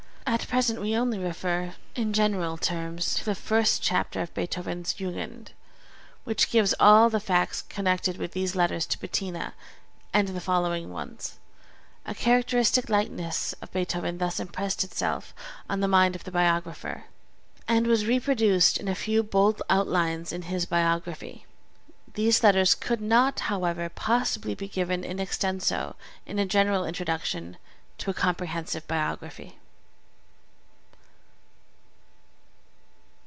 At present we only refer in general terms to the first chapter of Beethoven's Jugend, which gives all the facts connected with these letters to Bettina and the following ones a characteristic likeness of Beethoven thus impressed itself on the mind of the biographer, and was reproduced in a few bold outlines in his Biography. These letters could not, however, possibly be given in extenso in a general introduction to a comprehensive biography.